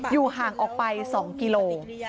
อยู่ห่างออกไปสองกิโล